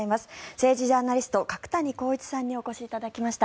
政治ジャーナリスト角谷浩一さんにお越しいただきました。